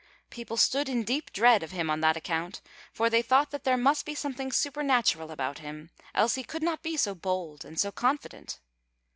People stood in deep dread of him on that account; for they thought that there must be something supernatural about him, else he could not be so bold and so confident.